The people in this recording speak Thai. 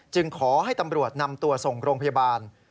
ขอให้ตำรวจนำตัวส่งโรงพยาบาล